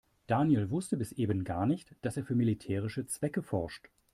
Daniel wusste bis eben gar nicht, dass er für militärische Zwecke forscht.